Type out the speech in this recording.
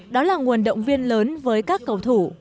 đó là nguồn động viên lớn với các cầu thủ